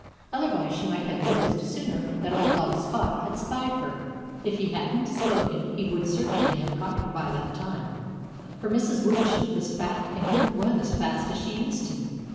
Otherwise she might have noticed sooner that old dog Spot had spied her. If he hadn't spoken he would certainly have caught her that time. For Mrs. Woodchuck was fat and couldn't run as fast as she used to.